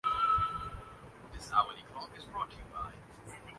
حسین حقانی کی واردات